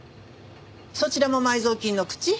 そちらも埋蔵金の口？